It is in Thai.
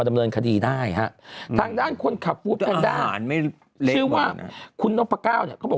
นำไปส่งให้ลูกค้า